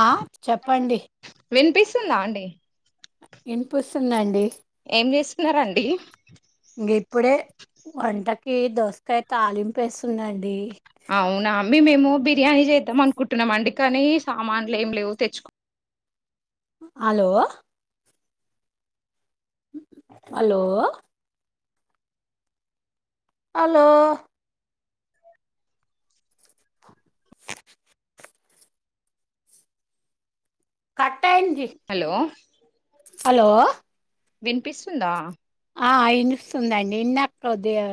ఆ చెప్పండి తుందా అండి వినిపిస్తుందండి ఏం చేస్తున్నారండి కీర్ దోసకాయ తాలింపు వేస్తున్నా అండి అవునా మేము ఏమో బిర్యానీ చేద్దాం అనుకుంటున్నాం అండి కానీ సామాన్లు ఏం లేవు తెచ్చుకో అలో అలో అలో కట్ అయింది హలో [inaudible] హలో వినిపిస్తుందా ఆ ఇనిస్తుందండి ఇందాక కొద్దిగా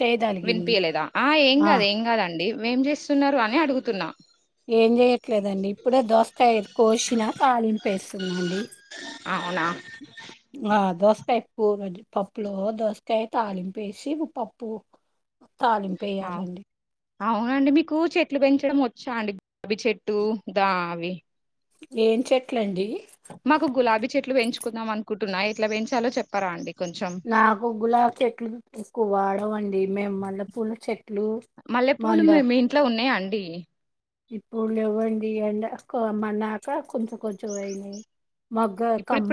చేయగలిగింది వినిపియలేదా ఆ ఏం గాదు ఏం గాదండి ఏం చేస్తున్నారు అని అడుగుతున్నా ఏం చేయట్లేదండి ఇప్పుడే దోస్కాయ కోసినా తాలింపేస్తున్నాండి అవునా ఆ దోస్ పెప్పు పప్పులో దోసకాయ్ తాలింపేసి పప్పు తాలింపు ఆ వెయ్యాలండి అవునండి మీకు చెట్లు పెంచడం వచ్చా అండి గులాబీ చెట్టు దా అవి ఏం చెట్లండి మాకు గులాబీ చెట్లు పెంచుకుందాం అనుకుంటున్నా ఎట్లా పెంచాలో చెప్పారా అండి కొంచెం నాకు గులాబ్ చెట్లు తీసుకువాడం అండి మేము మల్లెపూలు చెట్‌ మల్లెపూలు మి మీ ఇంట్లో ఉన్నాయా అం డి ఇప్పుడు లెవ్వండి ఎండకోమన్నక కొంచెం కొంచెం అయినయి మొగ్గకమ్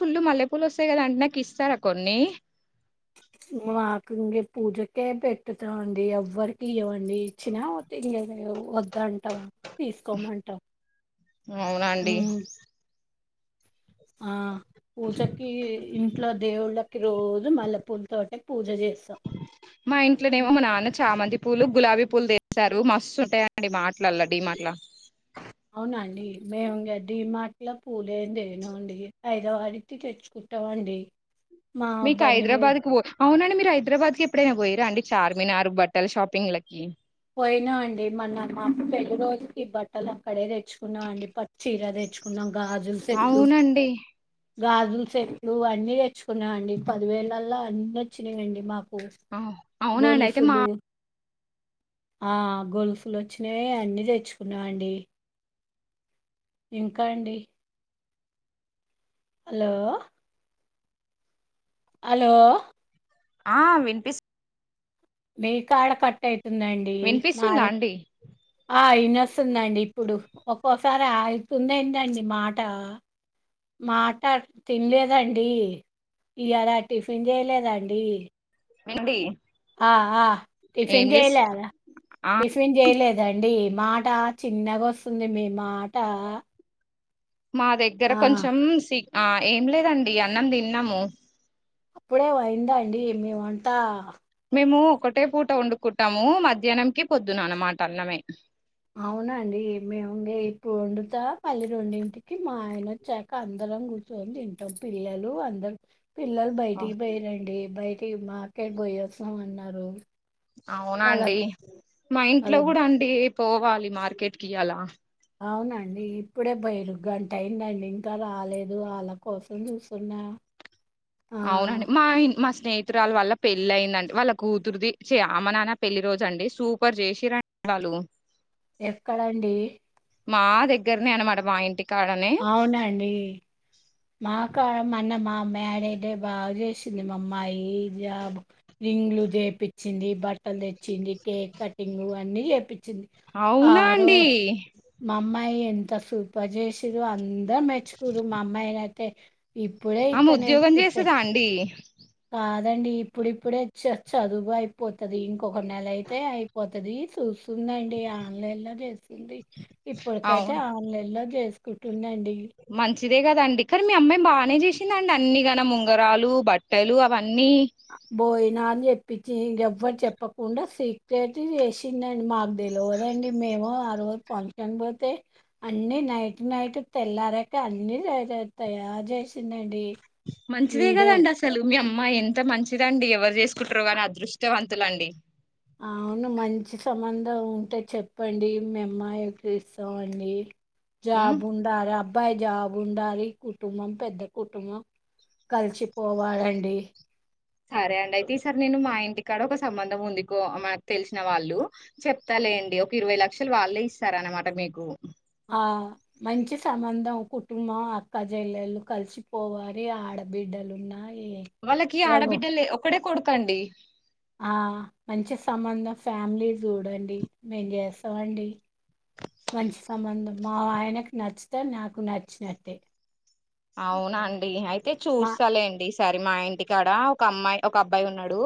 ఫుల్‌మల్లెపూలు వస్తాయి కదా అంటే నాకు ఇస్తారా కొన్ని కుంగెపూజకే పెట్టుత మండి ఎవ్వరకి ఇయ్య మం డి ఇచ్చినా వద్దంటాం తీసుకోమంటాం అవునండి హ్మ్ ఆ పూజకి ఇంట్లో దేవుళ్ళకి రోజు మల్లె పూలు తోటక్ మా ఇంట్లోనేమో మా నాన్న చామంతి పూలు గులాబీ పూలు తెస్తారు మస్తు ఉంటాయండి మాట్‌లల్ల డీమాటల అవునా అండి మేము ఇంగ డీమాట్లో పూలేందేనో అండి ఐదవ వారితి తెచ్చుకుంటామండి మా మీకు బండి మీద హైదరాబాద్కి పో అవునాని మీరు హైదరాబాద్కి ఎప్పు డైనా పోయిరా అండి చార్మినారు బట్టలు షాపింగ్ లకి పోయినా అండి మన్న మాకు పెళ్లి రోజుకి బట్టలు అక్కడే తెచ్చుకున్నాం అండి పట్టుచీరా తెచ్చుకున్నాం గాజులు సెట్టు అవునండి గాజులు సెట్లు అన్ని తెచ్చుకున్నామండి పదివేలల్లా అన్ని వచ్చినాయండి మా ఆ అవునాండి అయితే మా ఆ గోలుసులు వచ్చినావి అన్ని తెచ్చుకున్నామండి ఇంకా అండి హలో హలో ఆ వినిపిస్తు మీకా ఆడకట్టైతే తుందండి వినిపిస్తుందా మాది అండి ఆ ఇ విన్నొస్తుందండి ఇప్పుడు ఒక్కోసారి అవుతుంది ఏంటండి మాట మాట తినలేదండి ఇలా టిఫిన్ చేయలేదండి మండి ఆ ఆ టిఫిన్ చేయలేద ఆ టిఫిన్ చేయలే అదండి ఏ మాట చిన్నగా వస్తుంది మేము మాట మా దగ్గర ఆ కొంచెం సి ఆ ఏం లేదండి అన్నం తిన్నాము అప్పుడే అయిందా అండి మేమంతా మేము ఒకటే పూట వండుకుంటాము మధ్యాహ్నం కి పొద్దున అన్నమాట అన్నమే అవునండి మేము ఇప్పుడు వండుతా పల్ల రెండింటికి మా ఆయన వచ్చాక అందరం కూర్చొని తింటాం పిల్లలు అందర పిల్లలు బయటికి పోయిరండి బయట మాకెట్ పోయి వచిన్నం అ అవునాండి మా వాళ్ళ ఇంట్లో కూడా అండి పోవాలి మార్కెట్కి అలా అవునండి ఇప్పుడే బయలు గంట అయిందండి ఇంకా రాలేదు వాళ్ళ కోసం చూస్తున్నా ఆ అవునండి మా మా స్నేహితురాలు వల్ల పెళ్లి అయిందండి వాళ్ళ కూతురుది అమ నాన్న పెళ్లి రోజు అండి సూపర్ జెసిరూ వాళ్ళ ఎక్కడండి మా దగ్గరనే అనమాట మా ఇంటికి అవునా అండి మా మన్న మా మడ అతే బాగా చేసింది మా అమ్మాయి రింగ్లు చేపించింది బట్టలు తెచ్చింది కేక్ కటింగ్ అన్ని చేపిి ది అవునా అండి మా అమ్మ అవి ఎంత సూపర్ చేసదో అంత ద మెచ్చుకుర్రు మా అమ్మయి తే ఆమె ఉద్యోగం చేసేదా అండి కాదండి ఇప్పుడిప్పుడే చదువు అయిపోతది ఇంకొక నెలయితే అయిపోతది చూస్తు దండి ఆన్లైన్ లో చేస్తుంది ఇప్పటికైతే అవునా ఆన్లైన్ లో చేస్తు కుంటుందండి మంచిదే కదండి కానీ మీ అమ్మాయి బానే చేసిందండి అన్నిగనం ఉంగరాలు బట్టలు అవన్నీ బోయిన అని చెప్ పిచ్చి ఇంగ ఎవరికి చెప్పకుండా సీక్రెట్ చేసిందండి మాకు తెలియదండి మేము ఆ రోజు ఫంక్షన్ పోతే అన్ని నైట్ నైట్ తెల్లారక అన్ని తయారు చేసిందండి మంచిదే వీడియో కదండి అసలు మీ అమ్మా మ్మాయి ఎంత మంచిదండి ఎవరు చేసుకుంటరో కానీ అదృష్టవంతులండి అవును మంచి సంబంధం ఉంటె చెప్పండి మీ అమ్మాయికి ఇస్తమండి ఉమ్ జాబ్ ఉండాలే అబ్ అబ్బాయి జాబ్ ఉండాలి కుటుంబం పెద్ద కుటుంబం కలిసిపోవాలండి సరే అండి అయితే ఈసారి నేను మా ఇంటికాడ ఒక సంబంధం ఉంది కో మనకు తెలిసిన వాళ్ళు చెప్తాలేండి ఒక ఇరవై లక్షలు వాళ్ళే ఇస్తారన్నమాట మీకు ఆ మంచి సంబంధం కుటుంబం అక్క చెల్లెలు కలిసిపోవాలి ఆడబిడ్డలున్నా ఏ వాళ్ళకి ఎవరు ఆడబిడ్డలే ఒక్కడే కొడుకు కండి ఆ మంచి సంబంధం ఫ్యామిలీ చూడండి మేం చేస్తమండి మంచి సంబంధం మా ఆయనకు నచ్చుతే నాకు నచ్చినట్టే అవునాండి అయితే మా చూస్తలేండి సరే మా ఇంటికాడ ఒక అమ్మాయి ఒక అబ్బాయి ఉన్నడు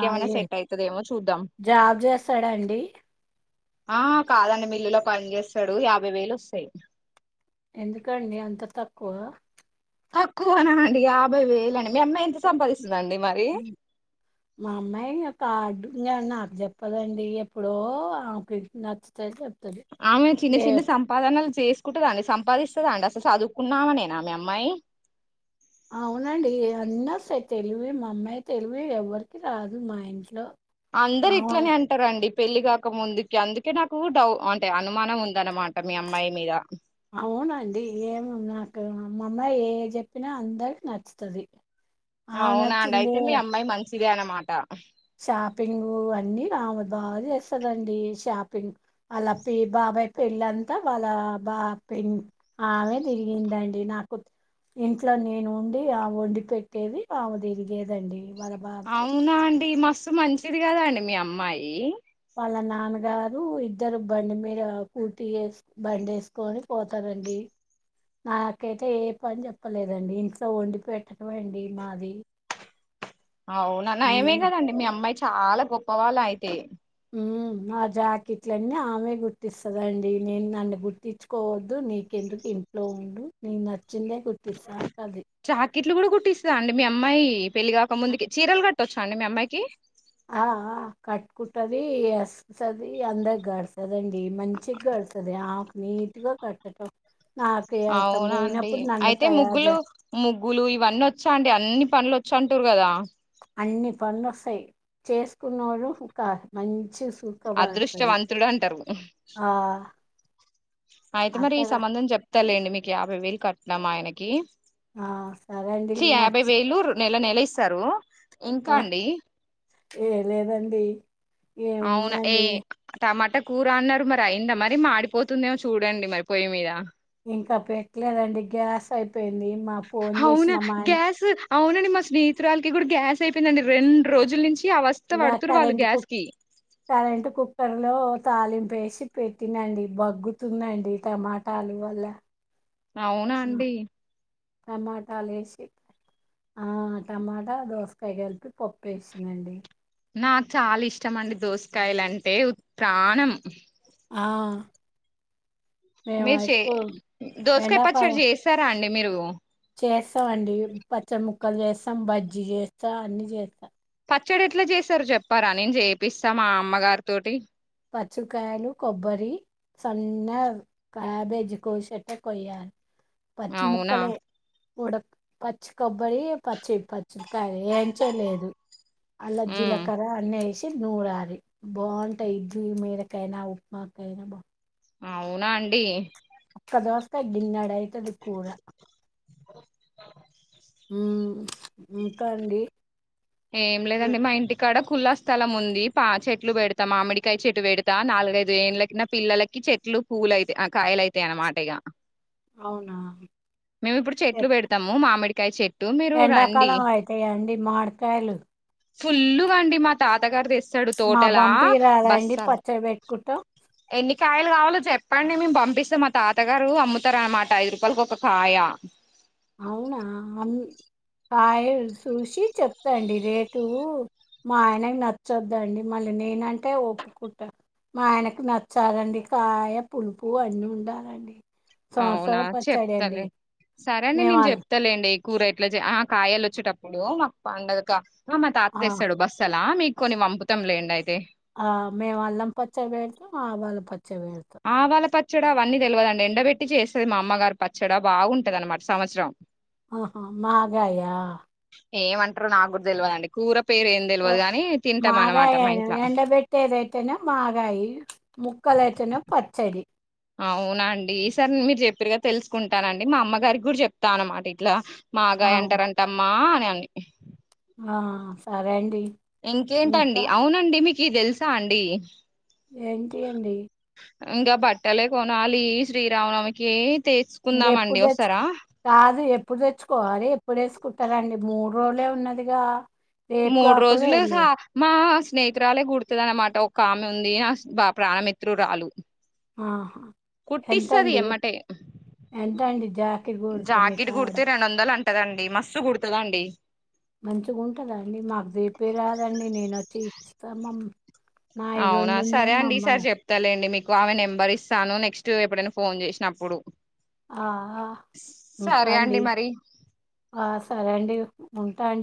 ఆ ఏ జాబ్ చేస్తాడాండి ఆ కాదండి మిల్లులో పని చేస్తడు యాభై వేలు వస్తయి ఎందుకండి అంత తక్కువ తక్కువనా అండి యాభై వేలు అండి మీ అమ్మాయి ఎంత సంపాదిస్తది మా అమ్మాయి ఒక [unintelligible] ఇంగ నాకు చెప్పదండి ఎప్పుడో ఆమెకు నచ్చుతే ఆమె చిన్న చిన్న సంపాదనలు చేసుకుంటదాండి సం పాదిస్తదా అండి అసలు సదువుకున్నామెనేన మీ అమ్మాయి అవునండి అన్నోస్తయ్ తెలివి మా అమ్మాయి తెలివి ఎవ్వరికి రాదు మా ఇంట్లో అందరు ఆమ ఇట్లనే అంటరండి పెళ్లి కాక ముందుకి అందుకే నాకు డౌ అంటే అనుమానం ఉందన్నమాట మీ అమ్మాయి మీద అవునండి ఏమీ నాకు మా అమ్మాయి ఏది చెప్పినా అందరికి నచ్చుతది ఆమె అవునా అండి నచ్చిందే అయితే మీ అమ్మాయి మంచి దే అన్నమాట షాపింగ్ అన్ని ఆమె బా చేస్తదండి షాపింగ్ అలా పి బాబా పెళ్ళంతా వాళ్ళ బా పె ఆమె తిరిగిందండి నాకు ఇంట్లో నేను ఉండి ఆమె వండి పెట్టేది ఆమె తిరిగేదండి వాళ్ళ బా అవునా అండి ఈ మస్తుసు మంచిది కద అండి మీ అమ్మాయి వాళ్ళ నాన్నగారు ఇద్దరు బండి మీద కూర్తిే బండి వేసుకొని పోతారండి నాకైతే ఏ పని చెప్పలేదండి ఇంట్లో వండి పెట్టడండండి మాది అవునా నైమే ఉమ్, కదండి మీ అమ్మాయి చాలా గొప్ప వాళ్ళ అయితే మ్ నా జాకెట్లన్నీ ఆమె గుర్తిస్తదండి నేను నన్ను గుర్తించుకోవద్దు నీకెందుకు ఇంట్లో ఉండు న నచ్చ చిన్నగా కూటిస్తా అంటది ఇస్తా అండి మీ అమ్మాయి పెళ్లి కాక ముందు చీరలు కట్ట వచ్చా అండి మీ అమ్మాయికి ఆ ఆ కట్టుకుంటది ఎస్తుకుతుది అందరి గడుతుదండి మంచిగా గడుతుంది ఆకు నీట్గా కట్టడంం అవునండి అయితే తయారు ముగ్గులు చే ముగ్గులు ఇవన్నీ వచ్చా అండి అన్ని పనులు వచ్చ చంటూర్ కదా అన్ని పనులు వస్తాయ్ చేసుకున్నడు ఒక మంచి సుఖపడుతది అదృష్టవంతుడు అంటారు ఆ అయితే మరి ఈ అత్తగా సంబంధం చెప్ కస్తలేండి మీకు యాభై వేలు కట్నామా ఆయనకి ఆ సరే అండి చి యాభై నచ్చి వేలు నెల నెల ఇస్తారు ఇంకా ఆ అండి ఏ లేదండి అవునా ఏ ఏముందండి టమాటా కూర అన్నారు మరి అయిందా మరి మాడిపోతుందేమో చూడండి మరి పొయి మీద ఇంకా పెట్టలేదండి గ్యాస్ అయి యిపోయింది మా ఫోన్ అవునా చేసినమ్మా అని గ్యాస్ అవునండి మా స్నేహితురాలకి కూడా గ్యాస్ అయిపోయిందండి రెండు రోజుల నుంచి అవస్థ ఇ పడుతురు వాళ్ళు కరెట్ గ్యాస్ కుక్ కి కరెట్ కుక్కర్ లో తాలింపేసి పెట్టినండి బగ్గుతుందండి టమాటాలు వల్ల అవునా ఆ, అండి టమాటాలు వేసి ఆ టమాటా దోసకాయ కలిపి పప్పు వేసిందండి నాకు చాలా ఇష్టం అండి దోసకాయలు అంటే ప్రాణం ఆ మేము మీరు చే ఎక్కువ దోసకయ పచ్చడు చేస్తారా అండి మీరు చేస్తాం అండి పచ్చ ముక్కలు చేస్తాం బజ్జి చేస్తాం అన్ని చేస్తాం పచ్చడి ఎట్లా చేశారు చెప్పారా నేను చేపిస్తా మా అమ్మగారితోటి పచ్చుకాయలు కొబ్బరి సన్న క్యాబేజీ కోసేట్ట కొయ్యాలి. పచ్చి అవునా ముక్కలేే. ఉడక్ పచ్చి కొబ్బరి పచ్చిద్ ప చ్చిది కాయ్ ఏంచేలేదు. అల ఉమ్ జిలకర అన్ని ఏస్ టె నూరాలి. బాగుంటాయి ఇడ్ లీ మీదకైనా, ఉప్మా కైనా బాన్ అవునా అండి! ఒక్క దోసకాయ గిన్నెడై తది కూర. మ్మ్ ఇంకా అండి ఏం లేదండి. మా ఇంటి కాడ కుల్ల స్థలం ఉంది. పా చెట్లు పెడతా, మామిడికాయ చెట్టు పెడతా నాలుగైదు ఎండ్లకి, నా పిల్లలకి చెట్లు పూవులయితాయి ఆ కాయలయితాయి అన్నమాట ఇగ. అవునా! మేము ఇప్పుడు చెట్లు పెడతాము. మామిడి కాయ చెట్ ఎండాకాలం అయితయా అండి? మామిడికాయలు ఫుల్లుగా అండి. మా తాతగారు తెస్ డు మా తోటలా! పంపిరాదండి బస్తాల్, పచ్చడి పెట్టుకుంటాం ఎన్ని కాయలు కావాలో చెప్పండి మేం పంపిస్తే, మా తాతగారు అమ్ముతారన్నమాట. ఐదు రూపాయలకి ఒక కాయ అవునా! అన్ కాయ చూసి చెప్తాండి. రేటు మా ఆయనకు నచ్చొద్దండి. మళ్ళీ నేనంటే, ఒప్పుకుంటా మా ఆయనకు నచ్చాలండి. కాయ పులుపు అన్నీ ఉండాలండి. అవునా! సంవత్సరం పచ్చడి అండి చెప్తలే. సరే. అండీ మేము నేను అల్ చెప్తాలేండి. ఈ కూర ఎట్ల చేయ? ఆ కాయలు వచ్చేటప్పుడు మాక్ పండగ ఆ మా తాత తెస్తాడు. బస్తాలా, మీక్ కొన్ని పంపుతం లేండి. అయి ఆ మేము అల్లం పచ్చడి పెడతాం. ఆవాల పచ్ చ్చడి పెడతా. ల పచ్చడి అవన్నీ తెల్వదండి. ఎండబెట్టి చేస్తది మా అమ్మగారు పచ్చడ బాగుంటది అన్నమాట సంవత్సరం. ఆహా, మాగాయ? ఏమంటరో నాక్కూడా తెల్వదండి. కూర పేరు ఏం తెలవదు గాని తింటాం అనమాట మా మాగాయని, ఇంట్ల ఎండబెట్టేదైతేనే మాగాయి. ముక్ క్కలు అయితేనే పచ్చడి. అవునండి. ఈ సరి మీరు చెప్పిర్ గా తెలుసుకుంటానండి. మా అమ్మగారికి కూడా చెప్తా అనమాట. ఇట్లా, ఆ మాగాయ్ అంటారంటమ్మా మ్యాని ఆ సరే అండి ఇంకేంటండి ఇంకా అవునండి మీకు ఇది తెలుసా అండి ఏంటి అండి ఇంకా బట్టలే కొనాలి శ్రీరామనవమికి ఇంగ ఎప్పుడు తెచ్చుకుందామండి తెచ్చుకో వస్తారా కాదు ఎప్ ఎప్పుడు తెచ్చుకోవాలి ఎప్పుడు వేసుకుంటారండి మూడు రోజులే ఉన్నదిగా రేపు మూడు కాకుండా రోజులుస ఎల్లు మా స్నేహితురాలే కూడతాది అన్నమాట ఒక ఆమె ఉంది నా ప్రాణమిత్రురాలు ఆహా కుట్టిస్తది ఎంతండి ఎమ్మటే ఎంతండి జాకెట్ కూడితే మీ కాడ కూడతదండి మస్త్ కుడుతదండి మంచిగా ఉంటద అండి మాకు చుపియా రాదండి నేను వచ్చి స్థమమ్ అవునా సరే అండి ఈసారి చెప్తలేండి మీక్ ఆమె నెంబర్ ఇస్తాను నెక్స్ట్ ఎప్పుడైనా ఫోన్ చేసినప్పుడు ఆ ఆ ఇంకా సరే అండి మరి ఆ సరే అండి తన్